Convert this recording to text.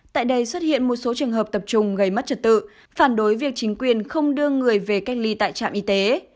tại đây xuất hiện một số trường hợp tập trung gây mất trật tự phản đối việc chính quyền không đưa người về cách ly tại trạm y tế